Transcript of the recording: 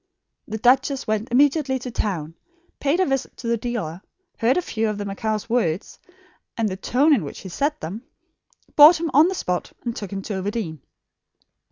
The duchess went immediately to town, paid a visit to the dealer, heard a few of the macaw's words and the tone in which he said them, bought him on the spot, and took him down to Overdene.